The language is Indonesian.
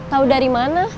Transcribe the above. tahu dari mana